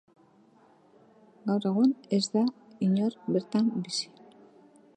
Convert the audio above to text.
Gaur egun inor ez da bertan bizi.